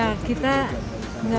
nggak terlalu tergobani dengan